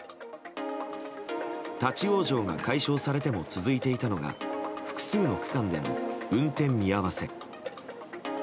立ち往生が解消されても続いていたのが複数の区間での運転見合わせ。